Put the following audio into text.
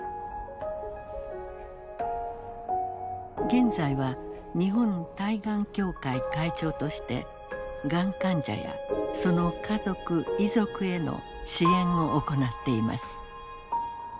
現在は日本対がん協会会長としてがん患者やその家族遺族への支援を行っています。